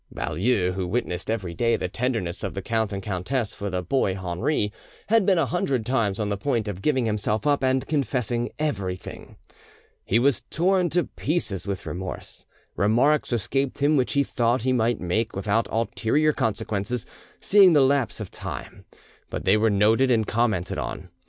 Baulieu, who witnessed every day the tenderness of the count and countess for the boy Henri, had been a hundred times on the point of giving himself up and confessing everything. He was torn to pieces with remorse. Remarks escaped him which he thought he might make without ulterior consequences; seeing the lapse of time, but they were noted and commented on.